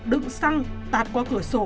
đựng xăng tạt qua cửa sổ